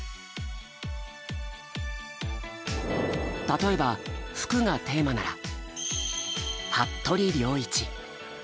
例えば「服」がテーマなら「服部良一」。